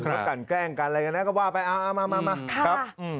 อะไรอย่างนั้นก็ว่าไปเอามามา